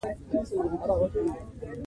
غوښې د افغانستان د سیلګرۍ برخه ده.